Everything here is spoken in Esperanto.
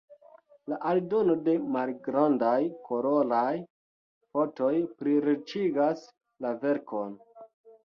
La aldono de malgrandaj koloraj fotoj pliriĉigas la verkon.